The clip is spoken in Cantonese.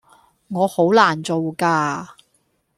我好難做㗎